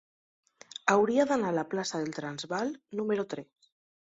Hauria d'anar a la plaça del Transvaal número tres.